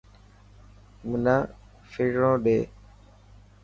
منا فيڻو ڏي.